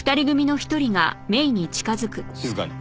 静かに。